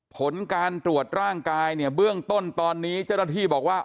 ผลการตรวจร่างกายเนี่ยเบื้องต้นตอนนี้เจ้าหน้าที่บอกว่า